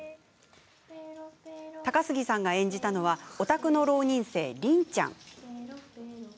高杉さんが演じたのはオタクの浪人生、リンちゃん。